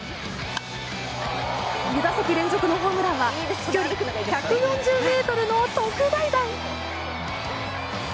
２打席連続のホームランは飛距離１４０ｍの特大弾。